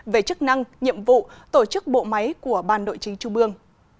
về chức năng nhiệm vụ tổ chức bộ máy của ban nội chính trung ương